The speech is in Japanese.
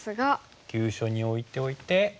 急所にオイておいて。